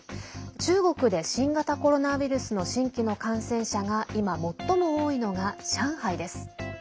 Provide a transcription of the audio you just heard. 中国で新型コロナウイルスの新規の感染者が今、最も多いのが上海です。